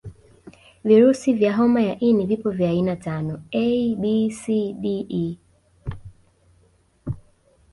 Virusi vya homa ya ini vipo vya aina tano A B C D E